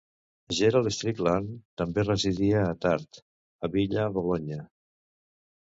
Gerald Strickland també residia Attard, a Villa Bologna.